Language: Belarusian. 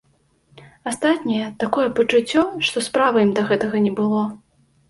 Астатнія, такое пачуццё, што справы ім да гэтага не было.